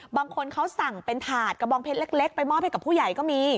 บางคนเขาสั่งเป็นถาดกระบองเพชรเล็กไปมอบให้กับผู้ใหญ่ก็มี